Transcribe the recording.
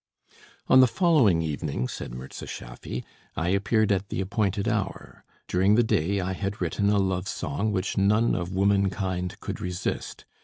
"On the following evening," said Mirza Schaffy, "I appeared at the appointed hour. During the day I had written a love song which none of womankind could resist.